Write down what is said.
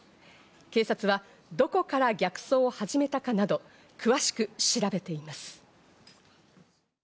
警察はどこから逆走を始めたかなど詳しく調べています。